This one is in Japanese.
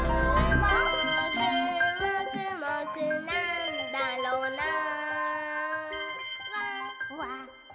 「もーくもくもくなんだろなぁ」